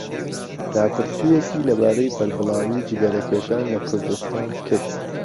راپرسییەكی لەبارەی بەربڵاویی جگەرەكێشان لە كوردستان كرد.